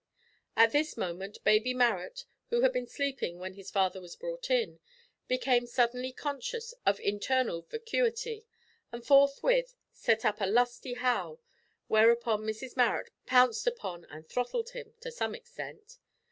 At this moment baby Marrot who had been sleeping when his father was brought in, became suddenly conscious of internal vacuity, and forthwith set up a lusty howl, whereupon Mrs Marrot pounced upon and throttled him to some extent.